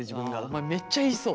お前めっちゃ言いそう。